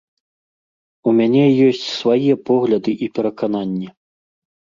У мяне ёсць свае погляды і перакананні.